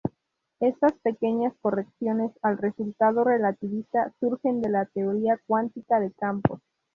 Estas pequeñas correcciones al resultado relativista surgen de la teoría cuántica de campos.